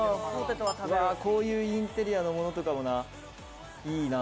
こういうインテリアのものとかもいいな。